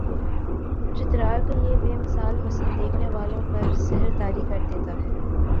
چترال کا یہ بے مثال حسن دیکھنے والوں پر سحر طاری کردیتا ہے